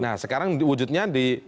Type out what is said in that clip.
nah sekarang wujudnya di konsensus saja